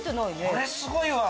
これすごいわ。